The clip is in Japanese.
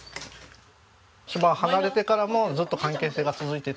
島離れてからもずっと関係性が続いていて。